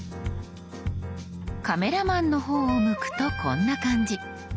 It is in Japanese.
カメラマンの方を向くとこんな感じ。